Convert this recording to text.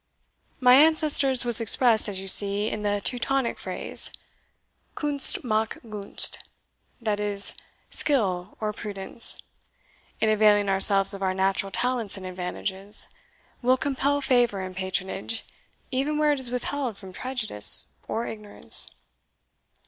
My ancestor's was expressed, as you see, in the Teutonic phrase, Kunst macht Gunst that is, skill, or prudence, in availing ourselves of our natural talents and advantages, will compel favour and patronage, even where it is withheld from prejudice or ignorance."